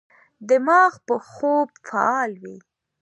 دماغ په خوب فعال وي.